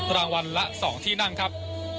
รางวัลละ๒ที่นั่งครับ